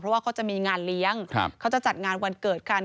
เพราะว่าเขาจะมีงานเลี้ยงเขาจะจัดงานวันเกิดกัน